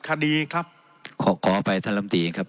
๑๑๘๐คดีครับขอขอไปท่านรับทีครับ